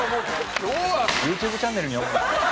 ＹｏｕＴｕｂｅチャンネルに主に。